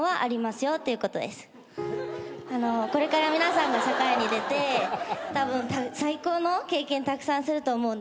あのこれから皆さんが社会に出てたぶん最高の経験たくさんすると思うんですよ。